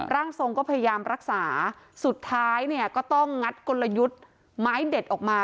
ร่างทรงก็พยายามรักษาสุดท้ายเนี่ยก็ต้องงัดกลยุทธ์ไม้เด็ดออกมา